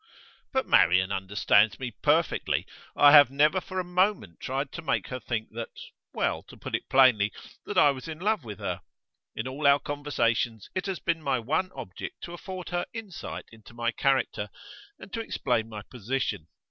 'But Marian understands me perfectly. I have never for a moment tried to make her think that well, to put it plainly, that I was in love with her. In all our conversations it has been my one object to afford her insight into my character, and to explain my position.